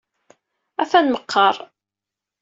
Atan meqqar!